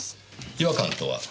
違和感とは？